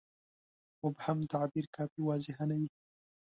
مبهم تعبیر کافي واضحه نه وي.